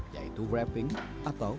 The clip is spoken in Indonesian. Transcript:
yaitu wrapping atau